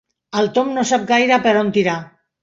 El Tom no sap gaire per on tirar.